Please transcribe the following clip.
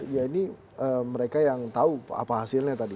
ya ini mereka yang tahu apa hasilnya tadi